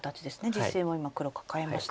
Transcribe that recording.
実戦は今黒カカえました。